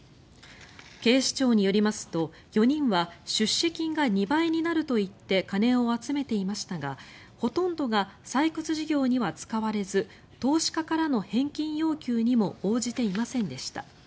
警視庁によりますと４人は出資金が２倍になると言って金を集めていましたがほとんどが採掘事業には使われず投資家からの返金要求にも応じていませんでした。